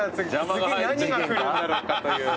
次何が来るんだろうかという。